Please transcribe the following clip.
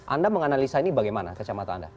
anda menganalisa ini bagaimana kacamata anda